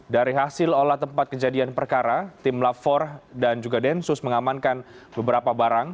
dari hasil olah tempat kejadian perkara tim lafor dan juga densus mengamankan beberapa barang